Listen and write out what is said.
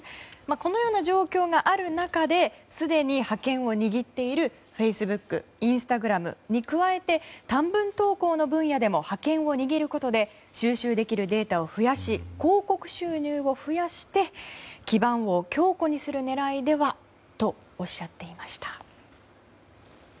このような状況がある中ですでに覇権を握っているフェイスブックインスタグラムに加えて短文投稿の分野でも覇権を握ることで収集できるデータを増やし広告収入を増やして基盤を強固にする狙いでは？とおっしゃっていました。